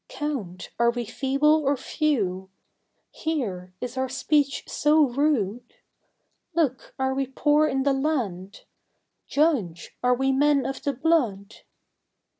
Count, are we feeble or few? Hear, is our speech so rude? Look, are we poor in the land? Judge, are we men of The Blood?